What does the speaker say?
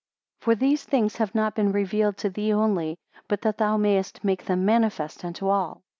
For these things have not been revealed to thee only, but that thou mayest make them manifest unto all.